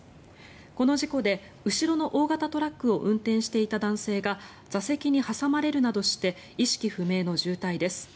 この事故で後ろの大型トラックを運転していた男性が座席に挟まれるなどして意識不明の重体です。